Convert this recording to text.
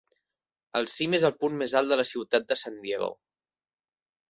El cim és el punt més alt de la ciutat de San Diego.